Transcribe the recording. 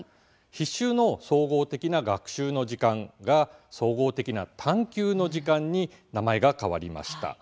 必修の総合的な学習の時間が総合的な「探究」の時間に名前が変わりました。